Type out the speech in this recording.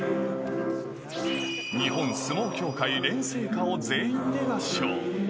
日本相撲協会錬成歌を全員で合唱。